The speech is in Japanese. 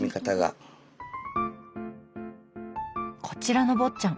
こちらの「坊ちゃん」。